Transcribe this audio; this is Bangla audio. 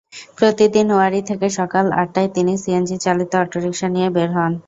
প্রতিদিন ওয়ারী থেকে সকাল আটটায় তিনি সিএনজিচালিত অটোরিকশা নিয়ে বের হন।